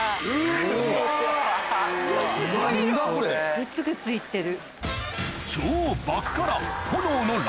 ぐつぐついってる。